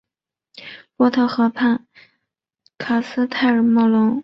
洛特河畔卡斯泰尔莫龙。